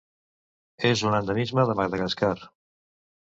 És un endemisme de Madagascar.